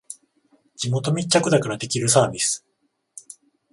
地元密着だからできるサービス